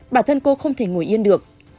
bản thân cô không thể ngồi yên được